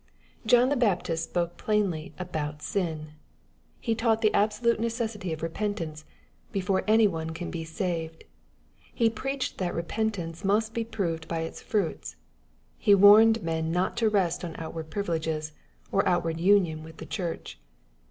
John the Baptist spoke plainly abont sin. He taught the absolute necessity of " repentance/' before any one can be saved. He preached that repentance must be proved by its " fruits." He warned men not to rest on outward privileges, or outward union with the church.